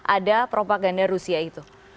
ada propaganda rusia itu